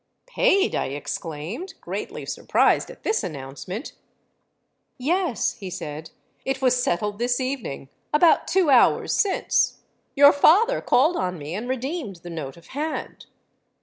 '—'Paid!' I exclaimed, greatly surprised at this announcement.—'Yes,' he said: 'it was settled this evening, about two hours since. Your father called on me, and redeemed the note of hand.'